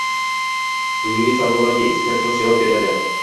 Bugungi savollarga ekspertimiz javob beradi